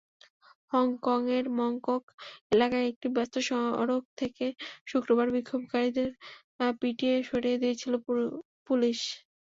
হংকংয়ের মংকক এলাকার একটি ব্যস্ত সড়ক থেকে শুক্রবার বিক্ষোভকারীদের পিটিয়ে সরিয়ে দিয়েছিল পুলিশ।